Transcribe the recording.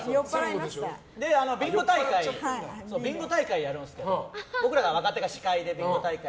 ビンゴ大会をやるんですけど僕ら若手が司会でビンゴ大会。